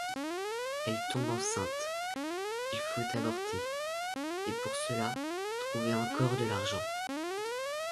Elle tombe enceinte, il faut avorter, et pour cela trouver encore de l'argent.